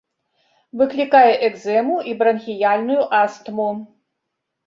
Выклікае экзэму і бранхіяльную астму.